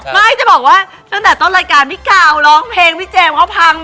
คือน้องจะบอกว่านีติดตอนพี่กาวร้องเพลงของพี่เจมส์เค้าพังหมด